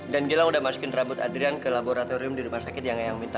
dan gilang udah masukin rambut adrian ke laboratorium di rumah sakit yang yang minta